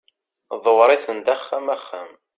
ḍewwer-iten-d axxam axxam